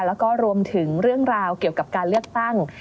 แล้วก็รวมถึงเรื่องราวเกี่ยวกับการเลือกตั้ง